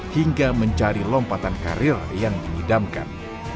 hingga mencari lompatan karir yang diidamkan